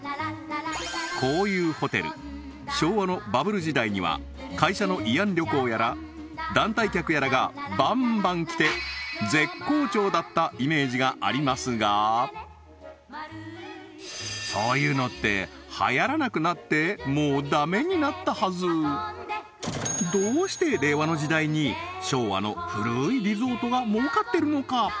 こういうホテル昭和のバブル時代には会社の慰安旅行やら団体客やらがバンバン来て絶好調だったイメージがありますがそういうのってはやらなくなってもうダメになったはずどうして令和の時代に昭和の古いリゾートが儲かってるのか？